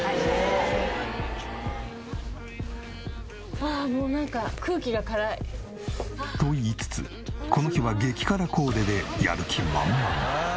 ああもうなんか。と言いつつこの日は激辛コーデでやる気満々。